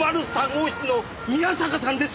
号室の宮坂さんです。